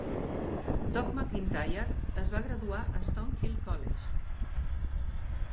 Doug McIntyre es va graduar a Stonehill College.